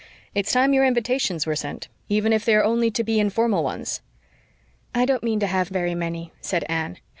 "It's time your invitations were sent, even if they are to be only informal ones." "I don't mean to have very many," said Anne.